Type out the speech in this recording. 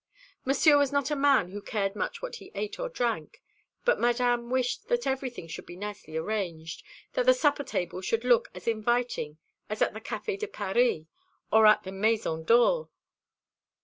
Monsieur was not a man who cared much what he ate or drank; but Madame wished that everything should be nicely arranged, that the supper table should look as inviting as at the Café de Paris or at the Maison d'Or."